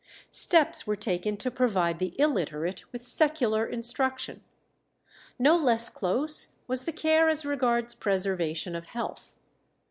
Steps were taken to provide the illiterate with secular instruction. No less close was the care as regards preservation of health.